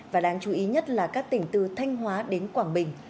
và đáng chú ý nhất là các tỉnh từ thanh hóa đến quảng bình